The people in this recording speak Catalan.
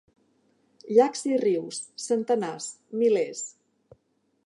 Llacs i rius, centenars, milers.